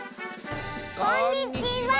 こんにちは！